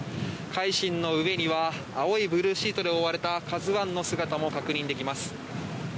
「海進」の上には青いブルーシートで覆われた「ＫＡＺＵ１」の姿も確認できます。